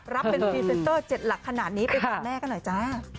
รับเป็นพรีเซนเตอร์๗หลักขนาดนี้ไปฟังแม่กันหน่อยจ้า